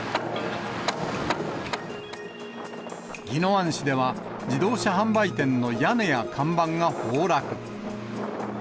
宜野湾市では自動車販売店の屋根や看板が崩落。